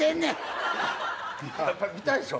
やっぱり見たいでしょ。